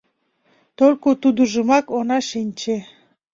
Только тудыжымак она шинче.